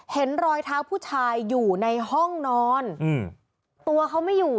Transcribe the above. เห็นรอยเท้าผู้ชายอยู่ในห้องนอนอืมตัวเขาไม่อยู่